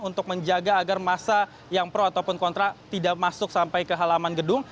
untuk menjaga agar masa yang pro ataupun kontra tidak masuk sampai ke halaman gedung